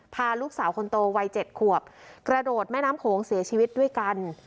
พาลูกสาวคนโตวัย๗ขวบกระโดดแม่น้ำโขงเสียชีวิตด้วยกัน